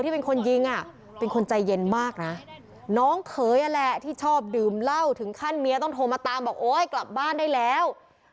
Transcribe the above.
เป็นคนใจเย็นมากนะน้องเคยแหละที่ชอบดื่มเหล้าถึงขั้นเมียต้องโทรมาตามบอกโอ้ยกลับบ้านได้แล้ว